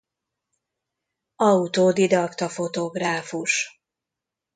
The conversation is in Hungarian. Autodidakta fotográfus.